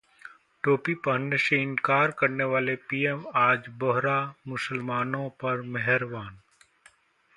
टोपी पहनने से इनकार करने वाले पीएम आज बोहरा मुसलमानों पर मेहरबान!